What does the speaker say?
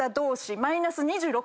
マイナス２６．７。